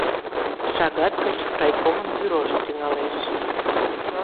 Шагат гыч райкомын бюрожо тӱҥалеш.